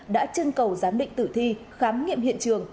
đã chân cầu giám định tử thi khám nghiệm hiện trường